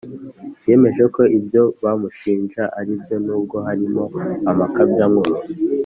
yemeje ko ibyo bamushinja aribyo nubwo harimo amakabya nkuru